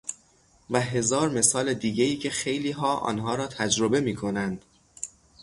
و هزار مثال دیگه ای که خیلی ها آن ها را تجربه می کنند.